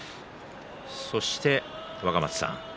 そして若松さん